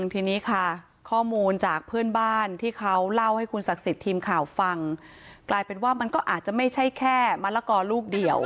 ทีนี้ค่ะข้อมูลจากเพื่อนบ้านที่เขาเล่าให้คุณศักดิ์สิทธิ์ทีมข่าวฟังกลายเป็นว่ามันก็อาจจะไม่ใช่แค่มะละกอลูกเดียว